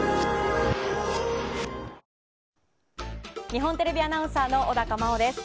日本テレビアナウンサーの小高茉緒です。